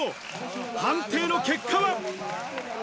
判定の結果は。